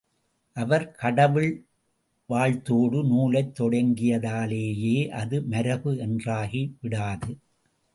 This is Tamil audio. அவர் கடவுள் வாழ்த்தோடு நூலைத், தொடங்கியதாலேயே அது மரபு என்றாகிவிடாது.